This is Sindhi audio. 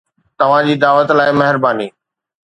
توهان جي دعوت لاء مهرباني